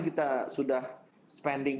kita sudah spending